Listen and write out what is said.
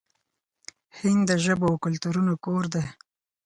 هند د ژبو او کلتورونو کور دی.